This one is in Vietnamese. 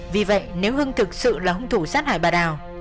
vì vậy nếu hưng thực sự là hùng thủ sát hại bà đào